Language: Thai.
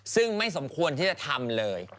ซึ่งไม่สมควรที่จะทำเลย